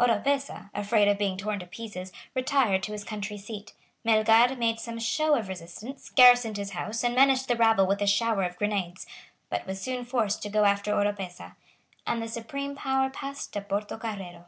Oropesa, afraid of being torn to pieces, retired to his country seat. Melgar made some show of resistance, garrisoned his house, and menaced the rabble with a shower of grenades, but was soon forced to go after Oropesa; and the supreme power passed to Portocarrero.